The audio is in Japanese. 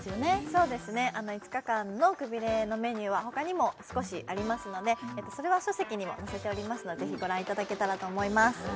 そうですね５日間のくびれのメニューはほかにも少しありますのでそれは書籍にも載せておりますのでぜひご覧いただけたらと思います